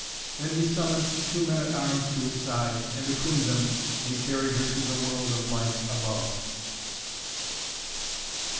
Then he summoned two men at arms to his side, and between them they carried her to the world of light above.